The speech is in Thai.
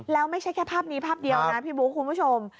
แล้วไม่ใช่แค่ภาพนี้ภาพเดียวนะพี่บุ๊คคุณผู้ชม